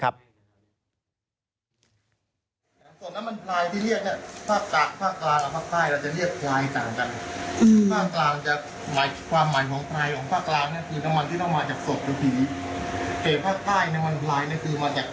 สวนน้ำมันพลายที่เรียก